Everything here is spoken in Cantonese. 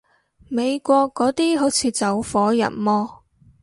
美國嗰啲好似走火入魔